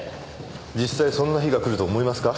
実際そんな日がくると思いますか？